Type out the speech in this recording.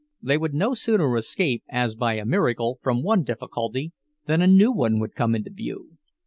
They would no sooner escape, as by a miracle, from one difficulty, than a new one would come into view.